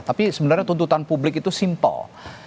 tapi sebenarnya tuntutan publik itu simpel